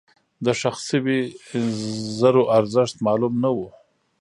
دښخ شوي زرو ارزښت معلوم نه و.